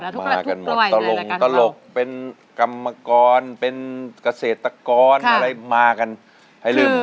มากันหมดตลกเป็นกรรมกรเป็นเกษตรกรอะไรมากันให้ลืม